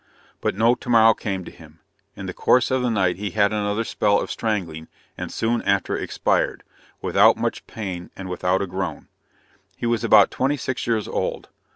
But no tomorrow came to him. In the course of the night he had another spell of strangling, and soon after expired, without much pain and without a groan. He was about twenty six years old.